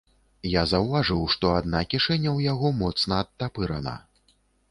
Я заўважыў, што адна кішэня ў яго моцна адтапырана.